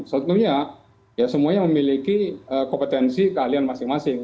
sebenarnya semuanya memiliki kompetensi keahlian masing masing